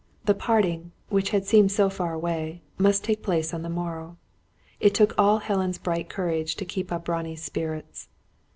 The parting, which had seemed so far away, must take place on the morrow. It took all Helen's bright courage to keep up Ronnie's spirits.